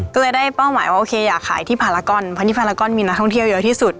ก็เลยได้เป้าหมายว่าโอเคอยากขายที่พารากอนเพราะที่พารากอนมีนักท่องเที่ยวเยอะที่สุด